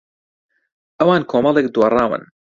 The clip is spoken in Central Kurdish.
ئەوان کۆمەڵێک دۆڕاون.